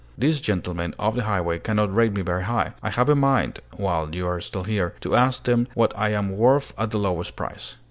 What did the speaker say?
These gentlemen of the highway cannot rate me very high. I have a mind, while you are still here, to ask them what I am worth at the lowest price."